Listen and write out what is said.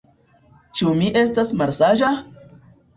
Ĉu mi estas malsaĝa?